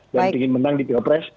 dan ingin menang di pilpres